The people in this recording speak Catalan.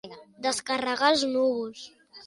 Descarregar els núvols.